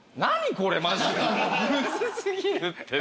これマジでむず過ぎるって。